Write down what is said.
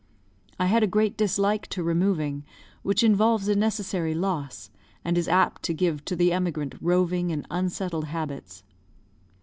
I had a great dislike to removing, which involves a necessary loss, and is apt to give to the emigrant roving and unsettled habits.